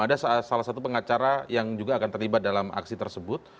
ada salah satu pengacara yang juga akan terlibat dalam aksi tersebut